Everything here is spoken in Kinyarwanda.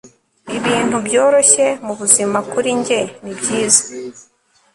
ibintu byoroshye mubuzima kuri njye nibyiza